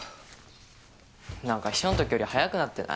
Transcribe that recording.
何か秘書のときより早くなってない？